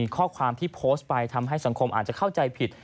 ข้อความที่โพสต์ไปทำให้สังคมอาจจะเข้าใจผิด